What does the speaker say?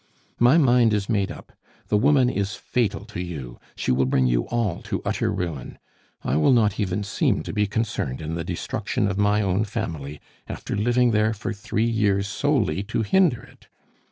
My mind is made up. The woman is fatal to you; she will bring you all to utter ruin. I will not even seem to be concerned in the destruction of my own family, after living there for three years solely to hinder it.